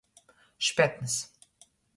Špetns.